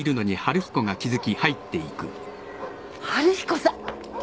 春彦さん！